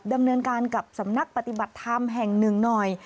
ดำเนินการกับสำนักปฏิบัติธรรมแห่งหนึ่งหน่อย